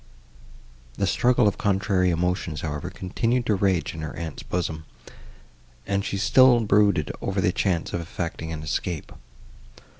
The struggle of contrary emotions, however, continued to rage in her aunt's bosom, and she still brooded over the chance of effecting an escape.